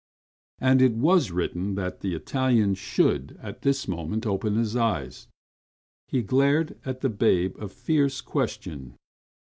And it was written that the Italian should at this moment open his eyes. He glared at the babe a fierce question.